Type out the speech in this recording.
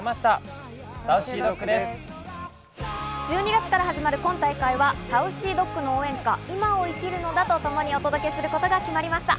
１２月から始まる今大会はＳａｕｃｙＤｏｇの応援歌『現在を生きるのだ。』とともにお届けすることが決まりました。